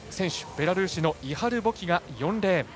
ベラルーシのイハル・ボキが４レーン。